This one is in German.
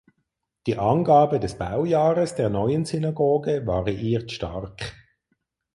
Die Angabe des Baujahres der neuen Synagoge variiert stark.